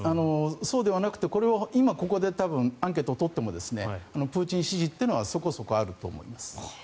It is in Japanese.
そうではなくて今ここで、アンケートを取ってもプーチン支持はそこそこあると思います。